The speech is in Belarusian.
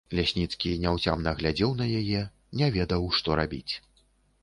Лясніцкі няўцямна глядзеў на яе, не ведаў, што рабіць.